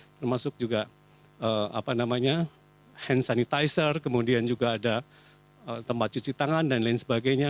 termasuk juga hand sanitizer kemudian juga ada tempat cuci tangan dan lain sebagainya